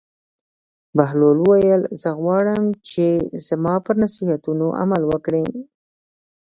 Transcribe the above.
بهلول وویل: زه غواړم چې زما پر نصیحتونو عمل وکړې.